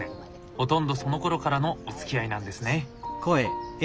ほとんどそのころからのおつきあいなんですね。